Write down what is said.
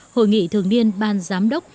hội nghị thường liên ban giám đốc